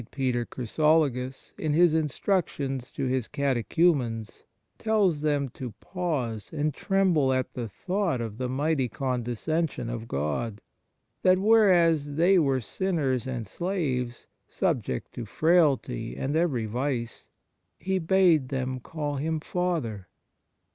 Peter Chrysologus in his instructions to his catechumens tells them to pause and tremble at the thought of the mighty condescension of God, that whereas they were sinners and slaves, subject to frailty and every vice, He bade them call Him Father.